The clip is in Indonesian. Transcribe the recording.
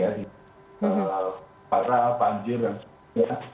kalau barat panjir dan sebagainya